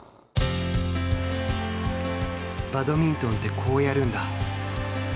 バドミントンってこうやるんだ。